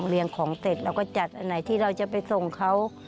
เรียงของเสร็จเราก็จัดอันไหนที่เราจะไปส่งเขา